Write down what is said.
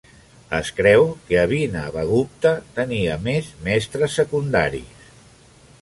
Es creu que Abhinavagupta tenia més mestres secundaris.